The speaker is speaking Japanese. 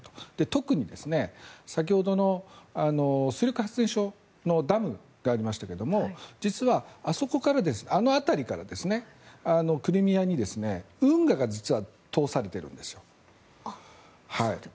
特に先ほどの水力発電所のダムがありましたが実は、あの辺りからクリミアに運河が通されているんです。